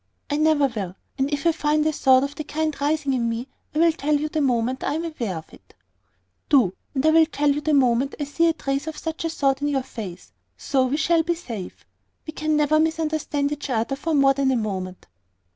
"I never will. And if I find a thought of the kind rising in me, I will tell you the moment I am aware of it." "Do, and I will tell you the moment I see a trace of such a thought in your face. So we shall be safe. We can never misunderstand each other for more than a moment."